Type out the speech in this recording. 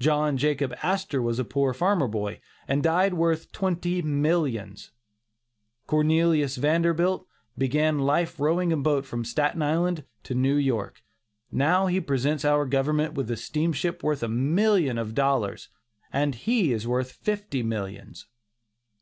John Jacob Astor was a poor farmer boy, and died worth twenty millions. Cornelius Vanderbilt began life rowing a boat from Staten Island to New York; now he presents our government with a steamship worth a million of dollars, and he is worth fifty millions.